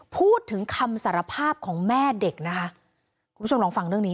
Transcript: พูดถึงคำสารภาพของแม่เด็กนะคะคุณผู้ชมลองฟังเรื่องนี้